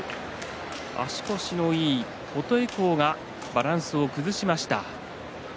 足腰のいい琴恵光がバランスを崩しました。